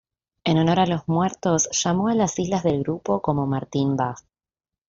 En honor a los muertos, llamó a las islas del grupo como Martín Vaz.